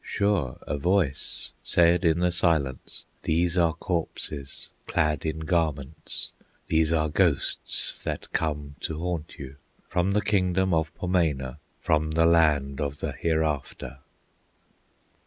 Sure a voice said in the silence: "These are corpses clad in garments, These are ghosts that come to haunt you, From the kingdom of Ponemah, From the land of the Hereafter!"